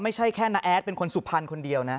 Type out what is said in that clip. ไม่ใช่แค่น้าแอดเป็นคนสุพรรณคนเดียวนะ